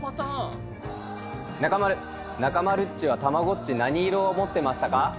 中丸、中丸っちは、たまごっち何色を持ってましたか？